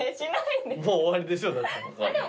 もう終わりでしょ？だって。